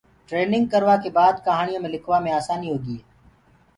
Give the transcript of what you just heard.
ٽرينگ ڪروآ ڪي باد ڪهانيونٚ مي لِکوآ مي آساني هوگئي۔